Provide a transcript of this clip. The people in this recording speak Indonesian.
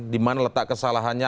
dimana letak kesalahannya